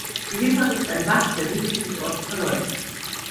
Die Vippach ist ein Bach, der südlich des Ortes verläuft.